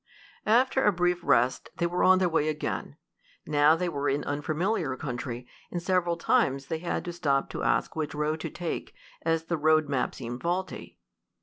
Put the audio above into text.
After a brief rest they were on their way again. Now they were in unfamiliar country, and several times they had to stop to ask which road to take, as the road map seemed faulty.